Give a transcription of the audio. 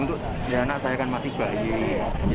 untuk ya anak saya kan masih bayi